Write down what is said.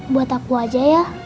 buat aku aja ya